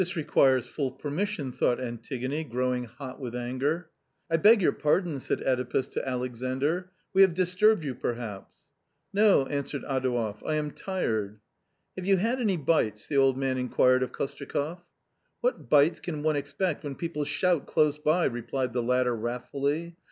"Cela passe toute permission 1 " thought Antigone, grow ing hot with anger. " I beg your pardon !" said (Edipus to Alexandr ;" we have disturbed you perhaps ?"" No !" answered Adouev ; "lam tired." " Have you had any bites ?" the old man inquired of Kostyakoff. "What bites can one expect when people shout close by," replied the latter wrathfully.